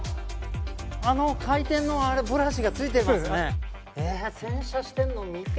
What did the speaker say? あの回転のブラシがついていますねへえ